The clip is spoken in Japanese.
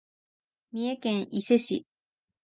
三重県伊勢市